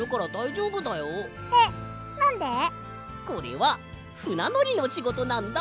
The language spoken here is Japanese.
えっなんで？これはふなのりのしごとなんだ。